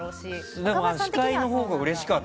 俺、司会のほうがうれしかった。